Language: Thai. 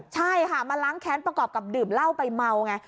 ใช่ค่ะมาล้างแค้นประกอบกับดื่มเหล้าไปเมาไง